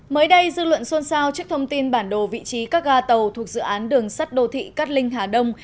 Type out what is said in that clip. mới đây dư luận xôn xao trước thông tin bản đồ vị trí các ga tàu thuộc dự án đường sắt đô thị cát linh hà đông